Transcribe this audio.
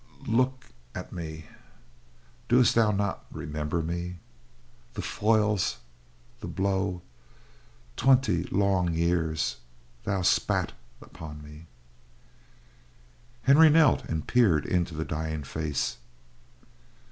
"Look—at—me. Dost thou—not—remember me? The—foils—the—blow—twenty long years. Thou—spat—upon—me." Henry knelt and peered into the dying face.